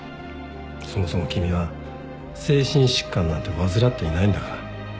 そもそも君は精神疾患なんて患っていないんだから。